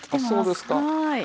そうですか？